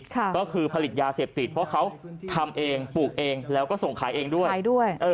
ก็คือผลิตยาเสพติดเพราะเขาทำเองปลูกเองแล้วก็ส่งขายเองด้วยขายด้วยเออ